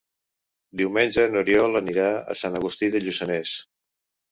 Diumenge n'Oriol anirà a Sant Agustí de Lluçanès.